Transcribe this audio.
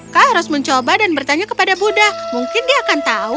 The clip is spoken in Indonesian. kau harus mencoba dan bertanya kepada buddha mungkin dia akan tahu